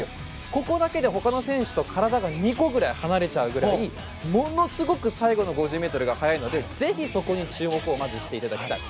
ここだけで他の選手と体が２個ぐらい離れちゃうぐらいものすごく最後の５０ｍが速いのでぜひ、そこに注目をしていただきたい。